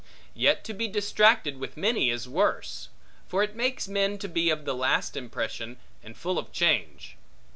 Yet to be distracted with many is worse; for it makes men to be of the last impression, and full of change.